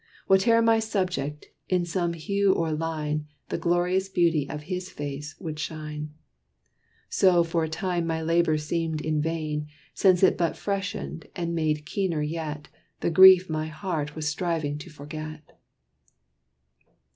Whate'er my subject, in some hue or line, The glorious beauty of his face would shine. So for a time my labor seemed in vain, Since it but freshened, and made keener yet, The grief my heart was striving to forget.